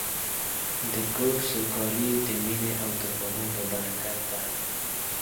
د کور سوکالي د مینې او تفاهم په برکت ده.